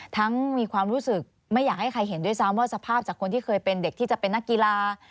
มีความรู้สึกไม่อยากให้ใครเห็นด้วยซ้ำว่าสภาพจากคนที่เคยเป็นเด็กที่จะเป็นนักกีฬา